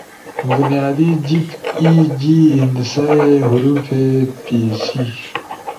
بنیادی جیِب [ای۔ جی۔ ہندسہ ئی، حروفے، پیسی]